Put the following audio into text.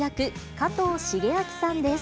加藤シゲアキです。